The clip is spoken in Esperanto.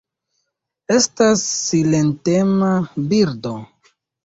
Estas silentema birdo.